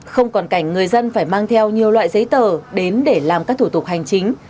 không còn cảnh người dân phải mang theo nhiều loại giấy tờ đến để làm các thủ tục hành chính